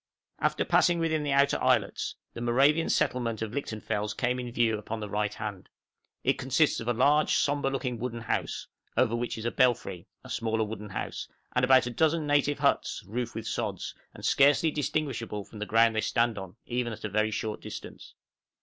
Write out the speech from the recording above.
After passing within the outer islets, the Moravian settlement of Lichtenfels came in view upon the right hand; it consists of a large, sombre looking wooden house, over which is a belfry, a smaller wooden house, and about a dozen native huts, roofed with sods, and scarcely distinguishable from the ground they stand on, even at a very short distance.